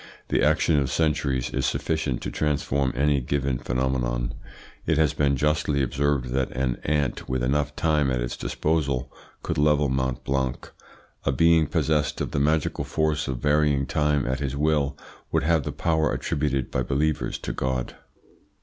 The action of centuries is sufficient to transform any given phenomenon. It has been justly observed that an ant with enough time at its disposal could level Mount Blanc. A being possessed of the magical force of varying time at his will would have the power attributed by believers to God.